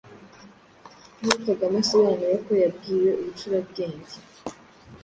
aho Kagame asobanura uko yabwiwe Ubucurabwenge,